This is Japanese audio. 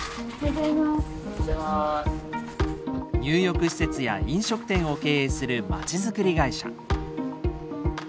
入浴施設や飲食店を経営するまちづくり会社。